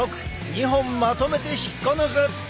２本まとめて引っこ抜く！